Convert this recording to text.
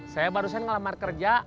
saya barusan ngelamar kerja